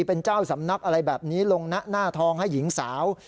เป็นเจ้าสำนักอะไรแบบนี้ลงหน้าทองให้หญิงสาว